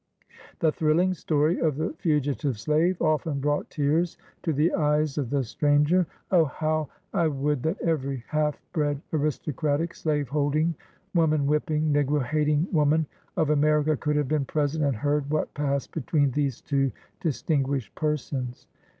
The thrilling story of the fugi tive slave often brought tears to the eyes of the stran ger. 0, how I would that every half bred, aristocratic, slaveholding, woman whipping, negro hating woman of America could have been present and heard what passed between these two distinguished persons